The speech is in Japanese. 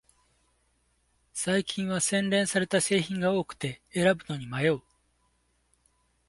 最近は洗練された製品が多くて選ぶのに迷う